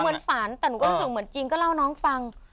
เหมือนฝันแต่หนูก็รู้สึกเหมือนจริงก็เล่าน้องฟัง